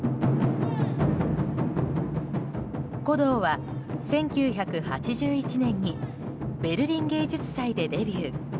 鼓童は１９８１年にベルリン芸術祭でデビュー。